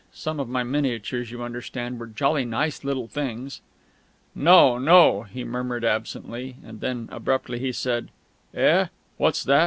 (Some of my miniatures, you understand, were jolly nice little things.) "No no," he murmured absently; and then abruptly he said: "Eh? What's that?